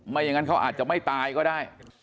อย่างนั้นเขาอาจจะไม่ตายก็ได้